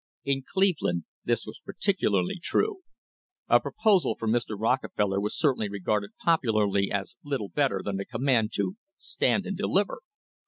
In Cleveland this was particularly true. A proposal from Mr. Rockefeller was certainly regarded popularly as little better than a com mand to "stand and deliver."